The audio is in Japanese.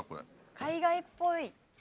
海外っぽい。